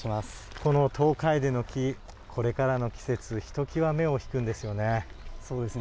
このトウカエデの木これからの季節ひときわ目を引くんですよね。